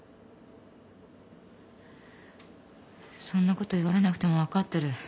そんなこと言われなくても分かってる。